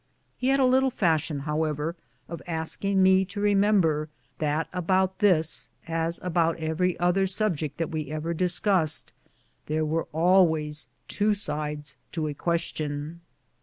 He had a little fashion, however, of asking me to remember that about this, as about every other sub ject that we ever discussed, "there were always two sides to a question."